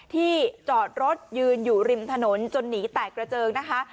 จอดรถยืนอยู่ริมถนนจนหนีแตกกระเจิงนะคะ